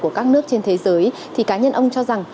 của các nước trên thế giới thì cá nhân ông cho rằng